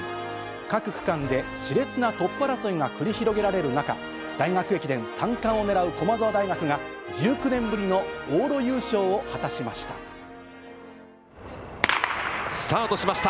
各区間でしれつなトップ争いが繰り広げられる中、大学駅伝３冠を狙う駒澤大学が、１９年ぶりの往路優勝を果たしまスタートしました。